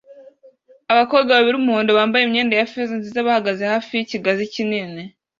Abakobwa babiri b'umuhondo bambaye imyenda ya feza nziza bahagaze hafi yikigazi kinini